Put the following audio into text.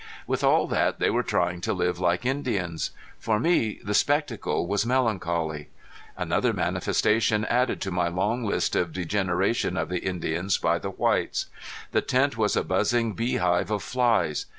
With all that they were trying to live like Indians. For me the spectacle was melancholy. Another manifestation added to my long list of degeneration of the Indians by the whites! The tent was a buzzing beehive of flies.